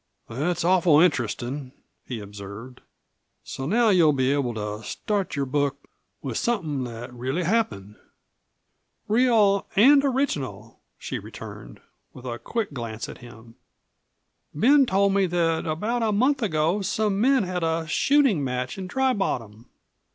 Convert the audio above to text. "That's awful interestin'," he observed. "So now you'll be able to start your book with somethin' that really happened?" "Real and original," she returned, with a quick glance at him. "Ben told me that about a month ago some men had a shooting match in Dry Bottom.